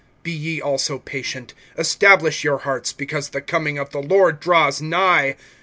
(8)Be ye also patient; establish your hearts, because the coming of the Lord draws nigh.